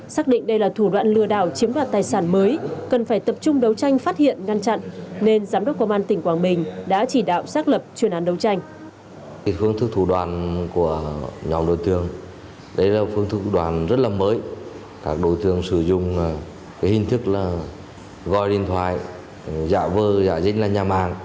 xác định đây là thủ đoạn lừa đảo chiếm đoạt tài sản mới cần phải tập trung đấu tranh phát hiện ngăn chặn nên giám đốc công an tỉnh quảng bình đã chỉ đạo xác lập truyền án đấu tranh